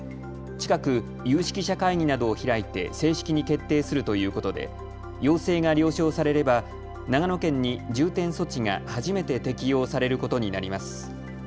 近く、有識者会議などを開いて正式に決定するということで要請が了承されれば長野県に重点措置が初めて適用されることになります。